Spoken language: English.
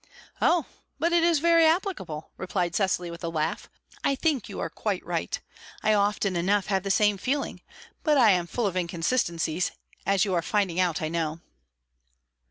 "Oh, but it is very applicable," replied Cecily, with a laugh. "I think you are quite right; I often enough have the same feeling. But I am full of inconsistencies as you are finding out, I know."